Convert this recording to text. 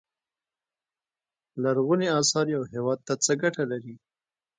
لرغونو اثار یو هیواد ته څه ګټه لري.